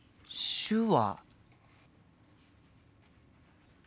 手話。